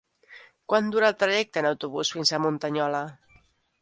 Quant dura el trajecte en autobús fins a Muntanyola?